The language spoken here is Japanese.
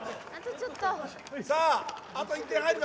あと１点入るか。